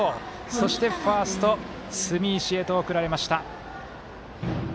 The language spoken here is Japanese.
そしてファースト、住石へと送られました。